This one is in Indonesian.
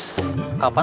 kapan akan ditutup